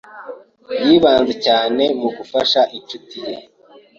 Yibanze cyane mu gufasha inshuti ye.